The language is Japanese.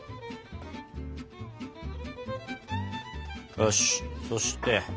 よしそして。